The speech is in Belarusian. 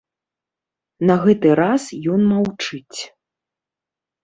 На гэты раз ён маўчыць.